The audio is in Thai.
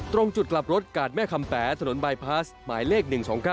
ตรงจุดกลับรถกาดแม่คำแป๋ถนนบายพลาสหมายเลข๑๒๙